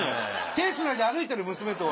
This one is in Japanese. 手つないで歩いてる娘と俺。